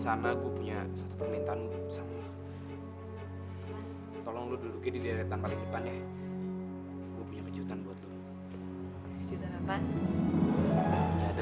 lang menurut kamu kira kira pengarang lagu itu siapa ya